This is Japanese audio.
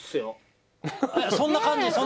そんな感じ？